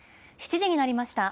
７時になりました。